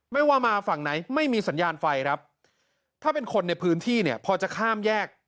ไม่ว่ามาฝั่งไหนไม่มีสัญญาณไฟครับถ้าเป็นคนในพื้นที่เนี่ยพอจะข้ามแยก